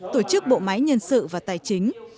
tổ chức bộ máy nhân sự và tài chính